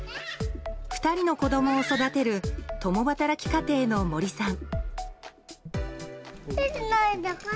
２人の子供を育てる共働き家庭の森さん。